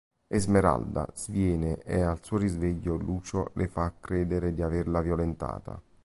Esmeralda sviene e al suo risveglio Lucio le fa credere di averla violentata.